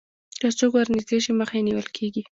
که څوک ورنژدې شي مخه یې نیول کېږي